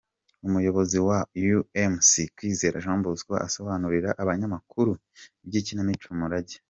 Umuyobozi wa UmC, Kwizera Jean Bosco asobanurira abanyamakuru iby'ikinamico "Umurage".